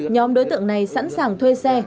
nhóm đối tượng này sẵn sàng thuê xe